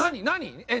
何！？